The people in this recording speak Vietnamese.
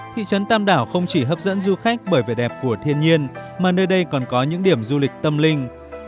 thị trấn tam đảo không chỉ hấp dẫn du khách bởi vẻ đẹp của thiên nhiên mà nơi đây còn có những điểm du lịch tâm linh